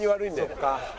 そっか。